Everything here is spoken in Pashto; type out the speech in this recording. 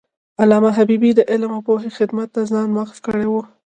علامه حبیبي د علم او پوهې خدمت ته ځان وقف کړی و.